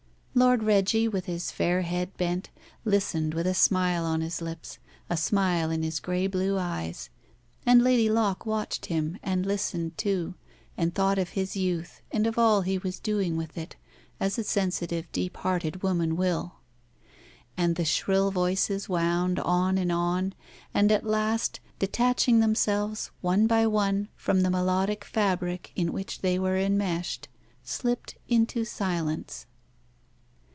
Lord Reggie, with his fair head bent, listened with a smile on his lips, a smile in his grey blue eyes, and Lady Locke watched him and listened too, and thought of his youth and of all he was doing with it, as a sensitive, deep hearted woman will. And the shrill voices wound on and on, and, at last, detaching themselves one by one from the melodic fabric in which they were enmeshed, slipped into silence.